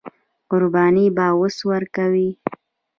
قرباني به اوس ورکوي.